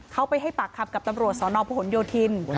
เขาไปให้ปากคำกับตำรวจสนพหนโยธิน